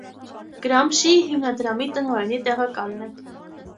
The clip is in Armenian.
Գրամշիի հիմնադրամի տնօրենի տեղակալն է։